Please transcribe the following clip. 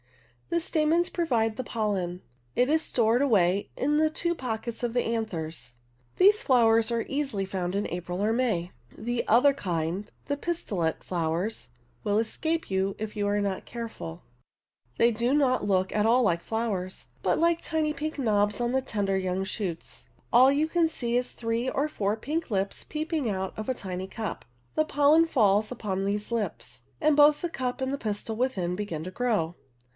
The stamens provide the J. away in the two pockets of the anthers. These flowers are easily found in April or May. The other kind, the pistillate flowers, will escape you if you are not careful. They do not look at , all like flowers, but like tiny pink knobs (Fig. i, d) on the tender young shoots. All you can see is three or four pink lips peep ing out of a tiny cup (Fig. 3), the pol len falls upon the lips, and both the cup and pistil within begin to grow.